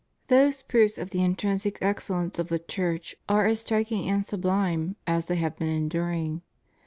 Those proofs of the intrinsic excellence of the Church are as striking and sublime as they have been enduring.